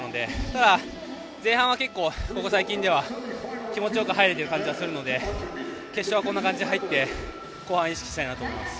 ただ、前半は結構ここ最近では気持ちよく入れてる感じがするので決勝はこんな感じで入って後半意識したいと思います。